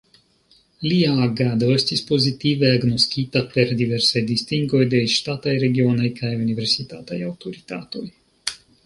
Lia agado estis pozitive agnoskita per diversaj distingoj de ŝtataj, regionaj kaj universitataj aŭtoritatoj.